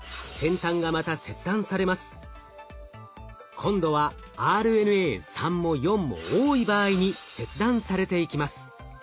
今度はＲＮＡ３も４も多い場合に切断されていきます。